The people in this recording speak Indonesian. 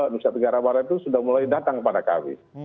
nusantara negara barat itu sudah mulai datang pada kami